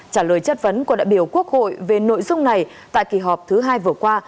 trả lời chất vấn của đại biểu quốc hội về nội dung này tại kỳ họp thứ hai vừa qua